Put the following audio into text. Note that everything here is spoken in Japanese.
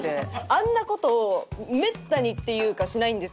あんな事をめったにっていうかしないんですけど普段。